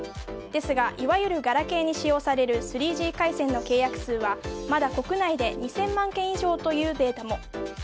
ですがいわゆるガラケーに使用される３Ｇ回線の契約数はまだ国内で２０００万件以上というデータも。